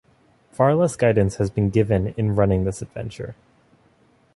Far less guidance has been given in running this adventure.